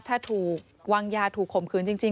ถ้าถูกวางยาถูกข่มขืนจริง